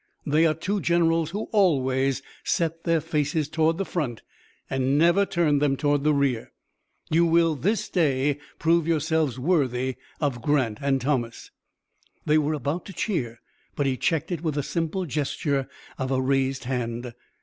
They are two generals who always set their faces toward the front and never turn them toward the rear. You will this day prove yourselves worthy of Grant and Thomas." They were about to cheer, but he checked it with the simple gesture of a raised hand.